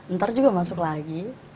ntar juga masuk lagi